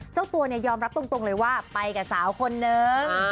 เจ้าตัวเนี่ยยอมรับตรงเลยว่าไปกับสาวคนนึง